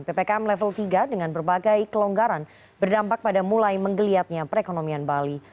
ppkm level tiga dengan berbagai kelonggaran berdampak pada mulai menggeliatnya perekonomian bali